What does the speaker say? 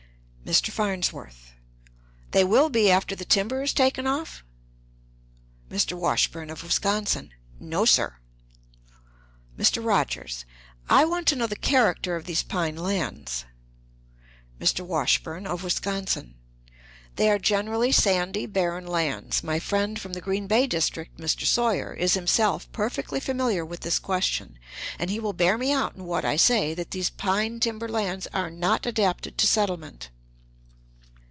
"Mr. Farnsworth. They will be after the timber is taken off? "Mr. Washburn, of Wisconsin. No, sir. "Mr. Rogers. I want to know the character of these pine lands. "Mr. Washburn, of Wisconsin. They are generally sandy, barren lands. My friend from the Green Bay district (Mr. Sawyer) is himself perfectly familiar with this question, and he will bear me out in what I say, that these pine timber lands are not adapted to settlement.